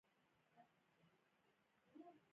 بیا یې وویل: که په کومه ستونزه کې یې.